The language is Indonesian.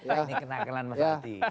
ini kenakalan mas adi